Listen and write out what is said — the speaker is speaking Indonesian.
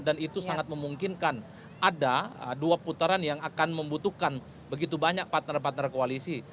dan itu sangat memungkinkan ada dua putaran yang akan membutuhkan begitu banyak partner partner koalisi